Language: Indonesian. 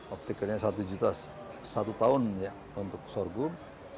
off tickernya satu juta satu tahun ya untuk sorghum